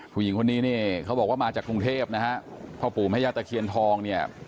ฟูหญิงคนนี้เขาบอกว่ามาจากกรุงเทพฯพ่อปู่มยาตะเคียนทอง